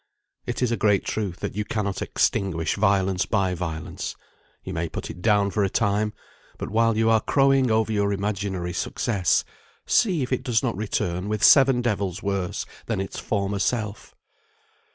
It is a great truth, that you cannot extinguish violence by violence. You may put it down for a time; but while you are crowing over your imaginary success, see if it does not return with seven devils worse than its former self!